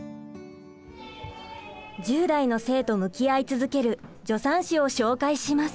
１０代の性と向き合い続ける助産師を紹介します。